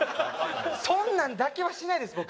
そんなんだけはしないです僕。